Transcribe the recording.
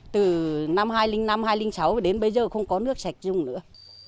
từ năm hai nghìn năm hai nghìn sáu đến bây giờ không có nước sạch dùng nữa